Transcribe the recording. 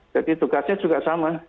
jadi tugasnya juga sama